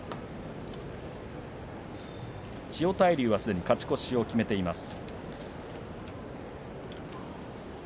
千代大龍はすでに勝ち越しを決めています。